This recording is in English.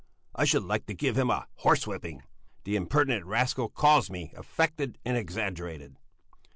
I should like to give him a horse whipping! The impertinent rascal calls me affected and exaggerated."